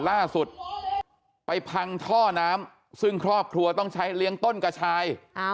ล่าสุดไปพังท่อน้ำซึ่งครอบครัวต้องใช้เลี้ยงต้นกระชาย